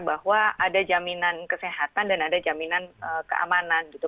bahwa ada jaminan kesehatan dan ada jaminan keamanan gitu